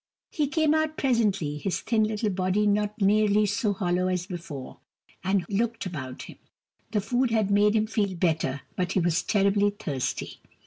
He came out presently, his thin little body not nearly so hollow as before, and looked about him. The food had made him feel better, but he was terribly thirsty.